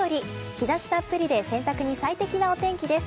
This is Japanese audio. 日差したっぷりで洗濯に最適なお天気です。